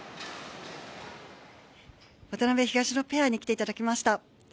渡辺・東野ペアに来ていただきました。